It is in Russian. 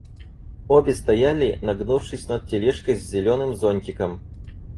Обе стояли, нагнувшись над тележкой с зеленым зонтиком.